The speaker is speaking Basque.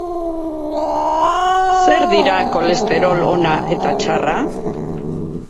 Zer dira kolesterol ona eta txarra?